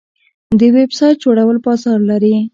د ویب سایټ جوړول بازار لري؟